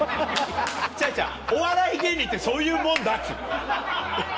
違う違うお笑い芸人ってそういうもんだっつうの。